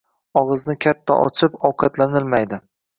Og‘izni katta ochib ovqatlanilmaydi.